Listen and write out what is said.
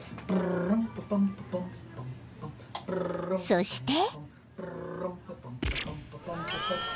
［そして］